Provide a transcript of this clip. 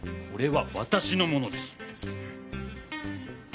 これは私のものです！